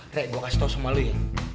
re gue kasih tau sama lo ya